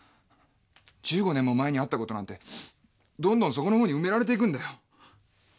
１５年も前にあったことなんてどんどん底のほうに埋められていくんだよ。